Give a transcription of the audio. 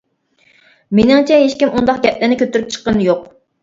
مېنىڭچە ھېچكىم ئۇنداق گەپلەرنى كۆتۈرۈپ چىققىنى يوق.